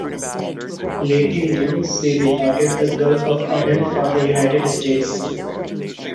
Late in June she departed the Gulf of Aden for the United States.